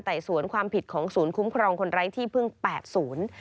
สวนความผิดของศูนย์คุ้มครองคนไร้ที่พึ่งแปดศูนย์